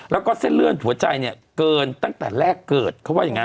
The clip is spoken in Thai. แล้วก็เส้นเลื่อนหัวใจเนี่ยเกินตั้งแต่แรกเกิดเขาว่าอย่างนั้น